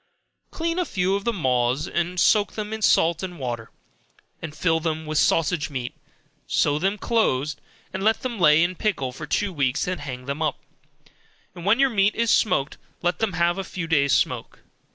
Clean a few of the maws, and soak them in salt and water, and fill them with sausage meat, sew them close, let them lay in pickle for two weeks then hang them up, and when your meat is smoked, let them have a few days smoke.